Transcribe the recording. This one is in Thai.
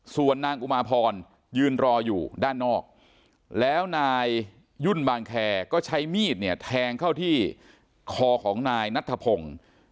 ส่วนนางอุมาพรยืนรออยู่ด้านนอกแล้วนายยุ่นบางแคร์ก็ใช้มีดเนี่ยแทงเข้าที่คอของนายนัทธพงศ์